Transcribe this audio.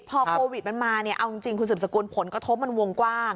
พอโควิดมันมาเนี่ยเอาจริงคุณสืบสกุลผลกระทบมันวงกว้าง